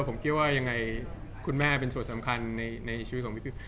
ผมคิดว่ายังไงคุณแม่เป็นส่วนสำคัญในชีวิตของพี่